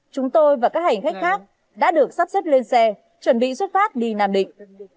chúng tôi và các hành khách khác đã được sắp xếp lên xe chuẩn bị xuất phát đi nam định